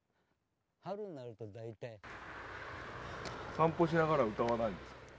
散歩しながら歌わないんですか？